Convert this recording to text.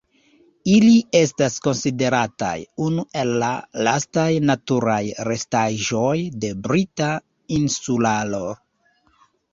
Ili estas konsiderataj unu el la lastaj naturaj restaĵoj de Brita Insularo.